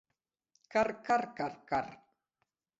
Karkarkarkarkar